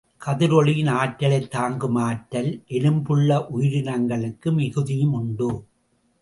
கதிரொளியின் ஆற்றலைத் தாங்கும் ஆற்றல் எலும்புள்ள உயிரினங்களுக்கு மிகுதியும் உண்டு.